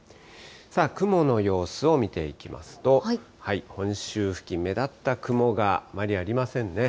雲の様子を見ていきますと、本州付近、目だった雲があまりありませんね。